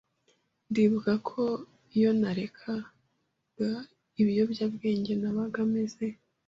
ndibuka ko iyo narekaga ibiyobyabwenge nabaga meze